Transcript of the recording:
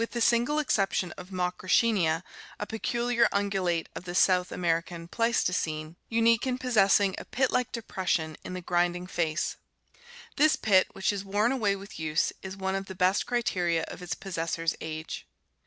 6o8 ORGANIC EVOLUTION the single exception of Macrauchenia, a peculiar ungulate of the South American Pleistocene, unique in possessing a pit like depression in the grinding face. This pit, which is worn away with use, is one of the best criteria of its possessor's age.